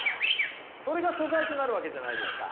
それが素材となるわけじゃないですか。